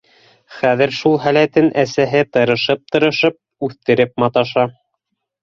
Хәҙер шул һәләтен әсәһе тырышып-тырышып үҫтереп маташа.